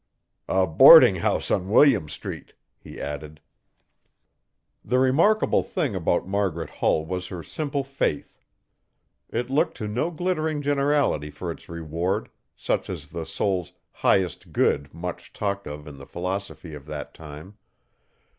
'A boarding house on William Street,' he added. The remarkable thing about Margaret Hull was her simple faith. It looked to no glittering generality for its reward, such as the soul's highest good, much talked of in the philosophy of that time.